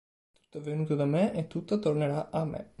Tutto è venuto da me e tutto tornerà a me.